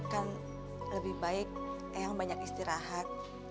kan lebih baik yang banyak istirahat